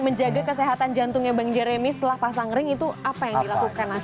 menjaga kesehatan jantungnya bang jeremy setelah pasang ring itu apa yang dilakukan